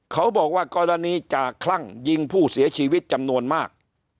เขาบอกว่ากรณีจากคลั่งยิงผู้เสียชีวิตจำนวนมาก